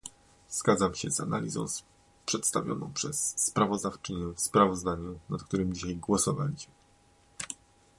Zgadzam się z analizą przedstawioną przez sprawozdawczynię w sprawozdaniu, nad którym dzisiaj głosowaliśmy